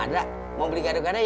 ada yang beli gaduh gaduh